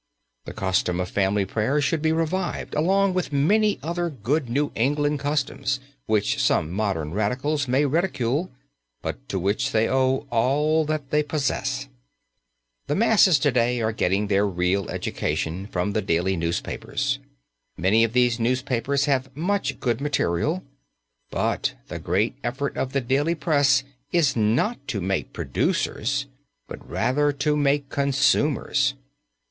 The custom of family prayers should be revived along with many other good New England customs which some modern radicals may ridicule, but to which they owe all that they possess. The masses to day are getting their real education from the daily newspapers. Many of these newspapers have much good material, but the great effort of the daily press is not to make producers, but rather to make consumers.